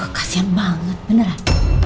aduh kasihan banget beneran